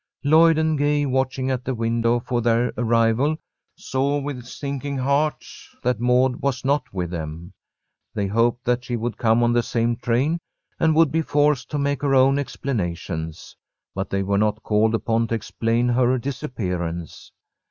Lloyd and Gay, watching at the window for their arrival, saw with sinking hearts that Maud was not with them. They hoped that she would come on the same train, and would be forced to make her own explanations. But they were not called upon to explain her disappearance.